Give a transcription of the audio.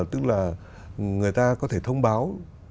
tức là người ta có thể thông báo